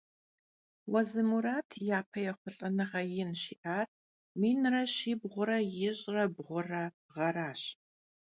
Vuezı Murat yape yêxhulh'enığe yin şi'ar minre şibğure yiş're bğure ğeraş.